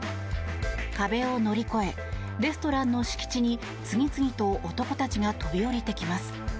壁を乗り越えレストランの敷地に次々と男たちが飛び降りてきます。